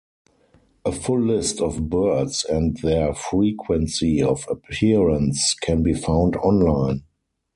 A full list of birds and their frequency of appearance can be found online.